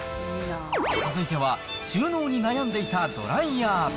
続いては、収納に悩んでいたドライヤー。